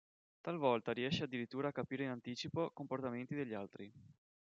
Talvolta riesce addirittura a capire in anticipo comportamenti degli altri.